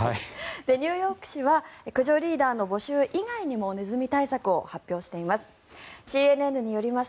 ニューヨーク市は駆除リーダーの募集以外にもネズミ対策を発表しています。